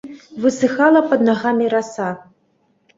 Высыхала пад нагамі раса.